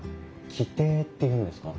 旗亭っていうんですか？